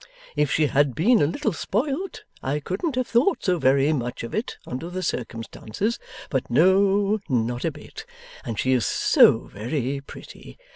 If she had been a little spoilt, I couldn't have thought so very much of it, under the circumstances. But no, not a bit. And she is so very pretty!